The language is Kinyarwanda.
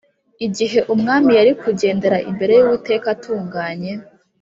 igihe umwami yari kugendera imbere y’uwiteka atunganye,